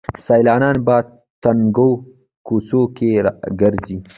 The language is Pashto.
سیلانیان په تنګو کوڅو کې ګرځي.